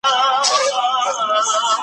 خوار چي موړ سي مځکي ته نه ګوري